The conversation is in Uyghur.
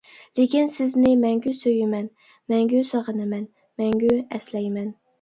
لېكىن سىزنى مەڭگۈ سۈيىمەن، مەڭگۈ سېغىنىمەن، مەڭگۈ ئەسلەيمەن.